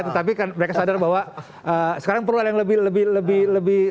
tetapi mereka sadar bahwa sekarang perlu ada yang lebih